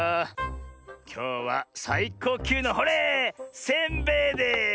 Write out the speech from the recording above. きょうはさいこうきゅうのほれせんべいです！